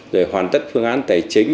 rồi hoàn tất phương án tài chính